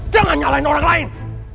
jangan nyalain orang lain